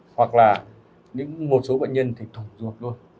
hoặc là những một số bệnh nhân thì thủng ruột luôn